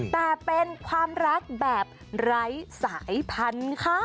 แต่เป็นความรักแบบไร้สายพันธุ์ค่ะ